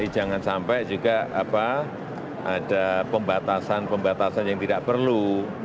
jangan sampai juga ada pembatasan pembatasan yang tidak perlu